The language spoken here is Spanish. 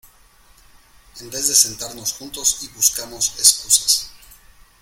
en vez de sentarnos juntos y buscamos excusas